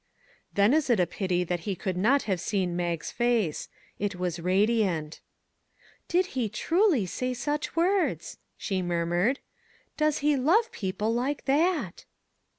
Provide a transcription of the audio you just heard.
Then it is a pity that he could not have seen Mag's face ; it was radiant. " Did he truly say such words !" she mur mured. " Does he love people like that